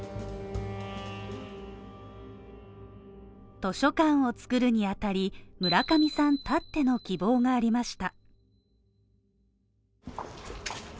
図書館を作るに当たり、村上さんたっての希望がありました。